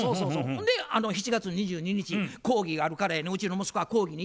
ほんで７月２２日講義があるからやねうちの息子は講義に行ったんや大学の。